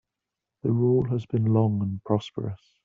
The rule has been long and prosperous.